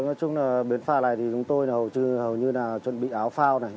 vâng nói chung là biến pha này thì chúng tôi hầu như là chuẩn bị áo phao này